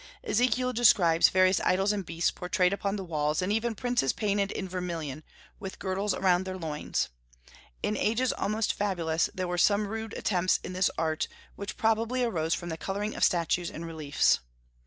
Ezekiel describes various idols and beasts portrayed upon the walls, and even princes painted in vermilion, with girdles around their loins. In ages almost fabulous there were some rude attempts in this art, which probably arose from the coloring of statues and reliefs.